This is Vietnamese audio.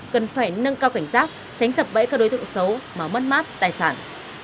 cần phải nâng cao cảnh giác tránh sập bẫy các đối tượng xấu mà mất mát tài sản